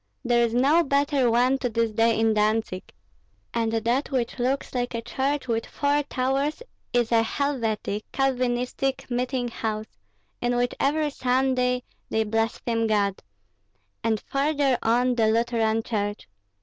There is no better one to this day in Dantzig. And that which looks like a church with four towers is a Helvetic (Calvinistic) meeting house, in which every Sunday they blaspheme God; and farther on the Lutheran church.